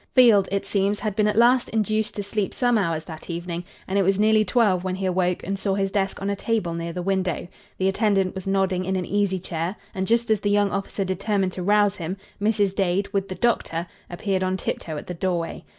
Field, it seems, had been at last induced to sleep some hours that evening, and it was nearly twelve when he awoke and saw his desk on a table near the window. The attendant was nodding in an easy chair; and, just as the young officer determined to rouse him, Mrs. Dade, with the doctor, appeared on tiptoe at the doorway.